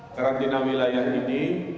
karantina wilayah ini